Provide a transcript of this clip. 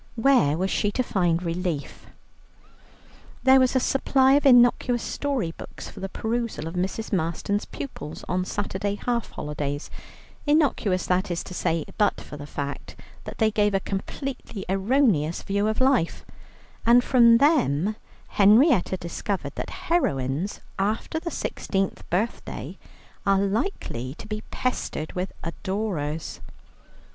Where was she to find relief? There was a supply of innocuous story books for the perusal of Mrs. Marston's pupils on Saturday half holidays, innocuous, that is to say, but for the fact that they gave a completely erroneous view of life, and from them Henrietta discovered that heroines after the sixteenth birthday are likely to be pestered with adorers.